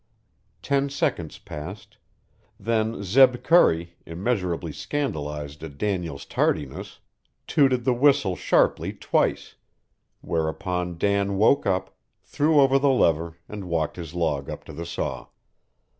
Ten seconds passed; then Zeb Curry, immeasurably scandalized at Daniel's tardiness, tooted the whistle sharply twice; whereupon Dan woke up, threw over the lever, and walked his log up to the saw.